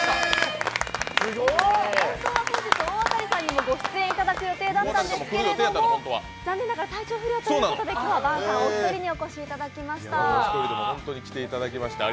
本当は本日、大渡さんにもご出演いただく予定だったんですけれども残念ながら体調不良ということで本日は伴さんお一人に来ていただきました。